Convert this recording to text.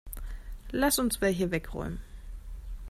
Lass uns welche wegräumen.